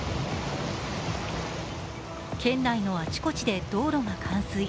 県内のあちこちで道路が冠水。